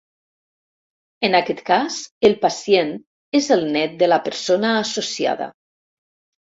En aquest cas, el pacient és el net de la persona associada.